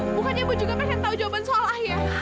bukannya ibu juga pengen tahu jawaban soal ayah